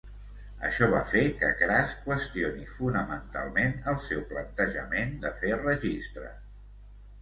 Això va fer que Crass qüestioni fonamentalment el seu plantejament de fer registres.